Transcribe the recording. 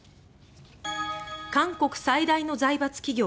韓国最大の財閥企業